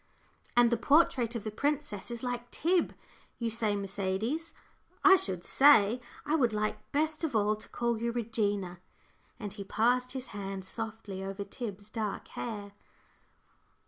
"And the portrait of the princess is like Tib, you say Mercedes, I should say? I would like best of all to call you 'Regina';" and he passed his hand softly over Tib's dark hair.